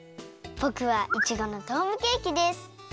ぼくはいちごのドームケーキです。